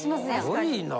すごいな。